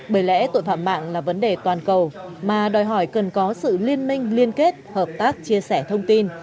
bởi lẽ tội phạm mạng là vấn đề toàn cầu mà đòi hỏi cần có sự liên minh liên kết hợp tác chia sẻ thông tin